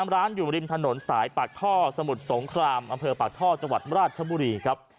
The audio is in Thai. ร้านอยู่ริมถนนสายปากท่อสมุทรสงครามอำเภอปากท่อจังหวัดราชบุรีครับ